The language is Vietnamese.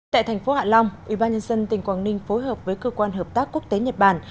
tại thành phố hạ long ubnd tỉnh quảng ninh phối hợp với cơ quan hợp tác quốc tế nhật bản